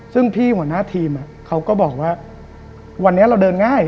ซึ่งพี่หัวหน้าทีมเขาก็บอกว่าวันนี้เราเดินง่าย